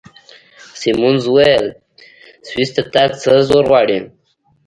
سیمونز وویل: سویس ته تګ څه زور غواړي؟